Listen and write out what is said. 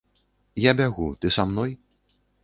Я бягу, ты са мной?